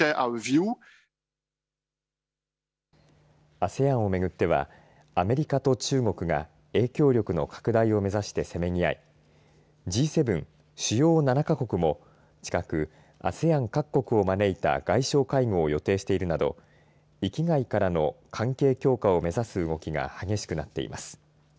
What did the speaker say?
ＡＳＥＡＮをめぐってはアメリカと中国が影響力の拡大を目指して、せめぎ合いＧ７、主要７か国も近くＡＳＥＡＮ各国を招いた外相会合を予定しているなど域外からの関係強化を目指す動きが激しくなっています。